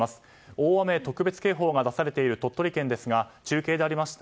大雨特別警報が出されている鳥取県ですが中継でありました